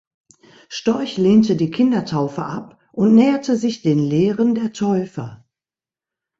Storch lehnte die Kindertaufe ab und näherte sich den Lehren der Täufer.